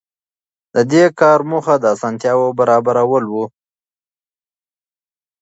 د دې کار موخه د اسانتیاوو برابرول وو.